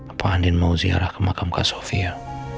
apa andin mau ziarah ke makam kak sofia